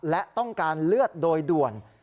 และต้องการเลือดโดยด่วน